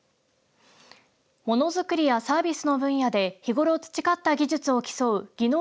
ものづくりやサービスの分野で日頃、培った技術を競う技能